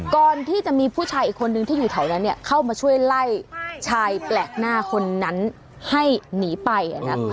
ก่อนที่จะมีผู้ชายอีกคนนึงที่อยู่แถวนั้นเข้ามาช่วยไล่ชายแปลกหน้าคนนั้นให้หนีไป